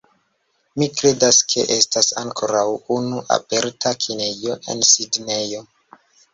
Mi kredas, ke estas ankoraŭ unu aperta kinejo en Sidnejo